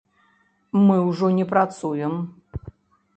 Мы ўжо не працуем.